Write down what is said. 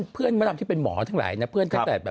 เขาไม่ใช่สัญญา